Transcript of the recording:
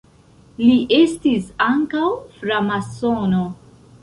Li estis ankaŭ framasono.